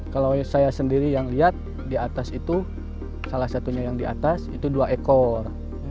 kalau saya sendiri yang lihat di atas itu salah satunya yang di atas itu dua ekor